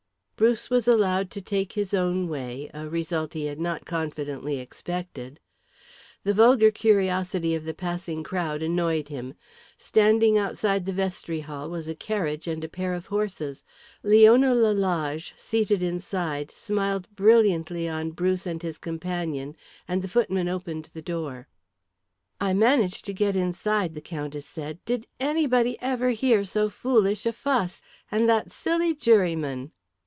Bruce was allowed to take his own way, a result he had not confidently expected. The vulgar curiosity of the passing crowd annoyed him. Standing outside the vestry hall was a carriage and a pair of horses. Leona Lalage, seated inside, smiled brilliantly on Bruce and his companion, and the footman opened the door. "I managed to get inside," the Countess said. "Did anybody ever hear so foolish a fuss? And that silly juryman!"